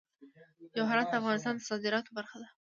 جواهرات د افغانستان د صادراتو برخه ده.